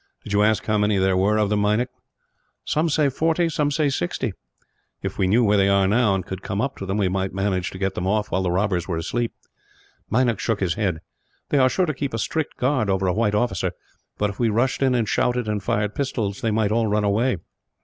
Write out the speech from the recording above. "Did you ask how many there were of them, Meinik?" "Some say forty, some say sixty." "If we knew where they are now, and could come up to them, we might manage to get them off while the robbers were asleep." Meinik shook his head. "They are sure to keep a strict guard, over a white officer," he said; "but if we rushed in and shouted, and fired pistols, they might all run away."